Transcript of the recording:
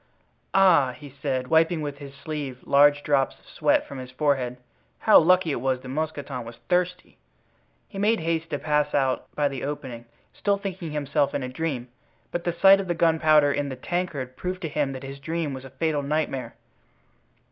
"Ah!" he said, wiping with his sleeve large drops of sweat from his forehead, "how lucky it was that Mousqueton was thirsty!" He made haste to pass out by the opening, still thinking himself in a dream; but the sight of the gunpowder in the tankard proved to him that his dream was a fatal nightmare.